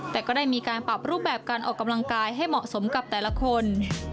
แต่ก็ได้มีการปรับรูปแบบการออกกำลังกายให้เหมาะสมกับแต่ละคน